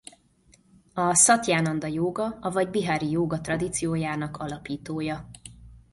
A Szatjánanda-jóga avagy bihári jóga tradíciójának alapítója.